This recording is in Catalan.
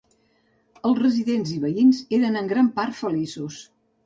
Els residents i veïns eren en gran part feliços.